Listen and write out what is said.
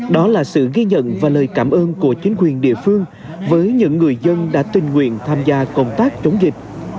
đó là sự ghi nhận và lời cảm ơn của chính quyền địa phương với những người dân đã tình nguyện tham gia công tác chống dịch